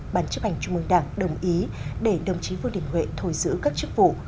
bàn chấp hành trung ương đảng đồng ý để đồng chí vương đình huệ thôi giữ các chức vụ